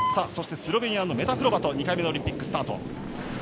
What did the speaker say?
そして、スロベニアのメタ・フロバトが２回目のオリンピックスタート。